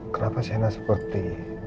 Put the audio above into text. kenapa sienna seperti